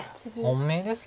本命です